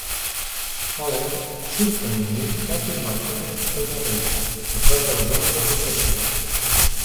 Allen sorprenentment va tombar Conner pel darrera a prop de la zona d'anotació.